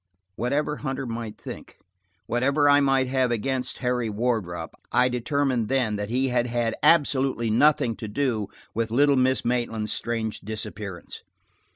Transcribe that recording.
Whatever Hunter might think, whatever I might have against Harry Wardrop, I determined then that he had had absolutely nothing to do with little Miss Maitland's strange disappearance.